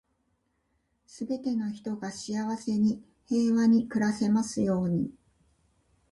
全ての人が幸せに、平和に暮らせますように。